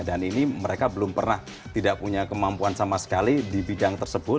dan ini mereka belum pernah tidak punya kemampuan sama sekali di bidang tersebut